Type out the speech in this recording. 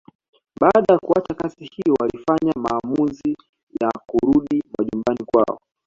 Baada ya kuacha kazi hiyo walifanya maamuzi ya kurudi majumbani kwao